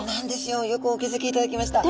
よくお気付きいただきました。